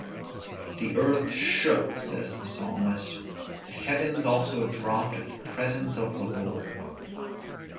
The earth shook, (says the Psalmist,) _the heavens also dropped at the presence of the Lord.